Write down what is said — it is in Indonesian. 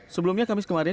sebelumnya kamis kemarin